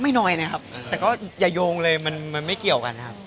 น้อยนะครับแต่ก็อย่าโยงเลยมันไม่เกี่ยวกันครับ